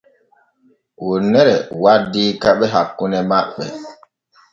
Wonnere waddi keɓe hakkune maɓɓe.